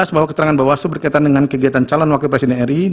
sebelas bawa keterangan bawaslu berkaitan dengan kegiatan cari